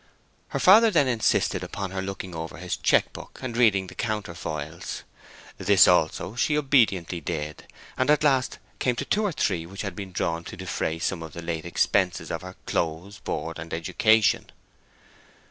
Her father then insisted upon her looking over his checkbook and reading the counterfoils. This, also, she obediently did, and at last came to two or three which had been drawn to defray some of the late expenses of her clothes, board, and education.